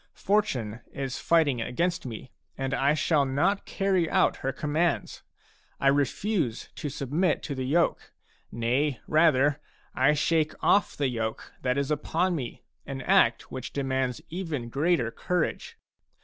Fortune is fighting against me, and I shall not carry out her commands. I refuse to submit to the yoke ; nay rather, I shake ofF the yoke that is upon me, — an act which demands even greater courage.